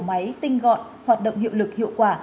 máy tinh gọn hoạt động hiệu lực hiệu quả